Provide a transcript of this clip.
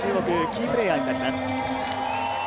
キープレーヤーになります。